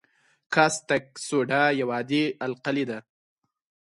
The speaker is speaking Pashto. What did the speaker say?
کاستک سوډا یو عادي القلي ده.